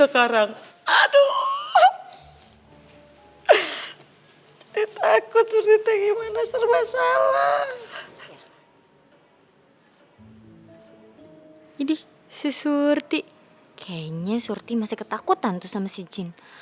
kayaknya surti masih ketakutan tuh sama si jin